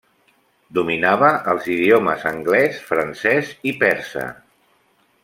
Dominava els idiomes anglès, francès i persa.